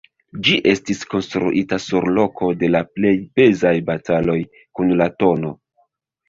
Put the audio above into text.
Ĝi estis konstruita sur loko de la plej pezaj bataloj de la tn.